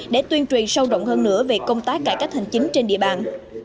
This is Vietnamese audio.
để tuyên truyền sâu động hơn nữa về công tác cải cách hành chính trên địa bàn